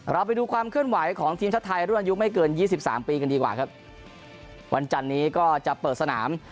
เราไปดูความเคลื่อนไหวของทีมชาติไทยรุ่นอายุไม่เกินยี่สิบสามปีกันดีกว่าครับวันจันนี้ก็จะเปิดสนาม